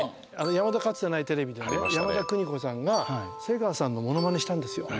「やまだかつてないテレビ」でね山田邦子さんが瀬川さんのモノマネしたんですよ